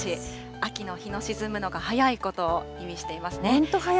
秋の日の沈むのが早いことを意味していますね。